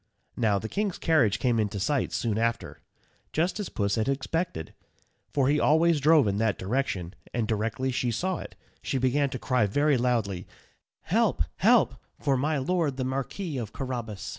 Now, the king's carriage came in sight soon after, just as Puss had expected, for he always drove in that direction, and directly she saw it, she began to cry very loudly, "Help, help, for my Lord the Marquis of Carrabas."